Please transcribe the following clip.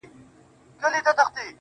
هره ورځ یو کوچنی ګام پورته کړه